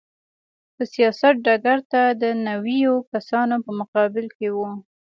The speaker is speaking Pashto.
په سیاست ډګر ته د نویو کسانو په مقابل کې و.